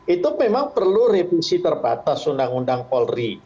itu memang perlu revisi terbatas undang undang polri